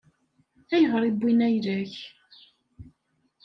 Ayɣer i wwin ayla-k?